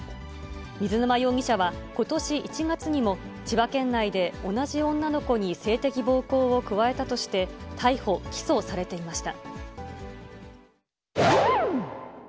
水沼容疑者はことし１月にも、千葉県内で同じ女の子に性的暴行を加えたとして、逮捕・起訴されていました。